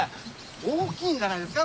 大きいんじゃないですか？